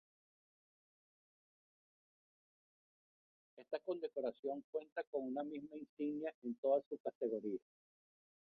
Esta condecoración cuenta con una misma insignia en todas sus categorías.